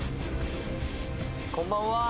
こんばんは。